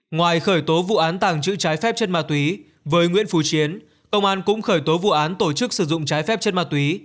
ngoài khởi tố vụ án tàng trữ trái phép chất ma túy với nguyễn phú chiến công an cũng khởi tố vụ án tổ chức sử dụng trái phép chất ma túy